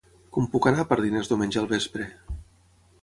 Com puc anar a Pardines diumenge al vespre?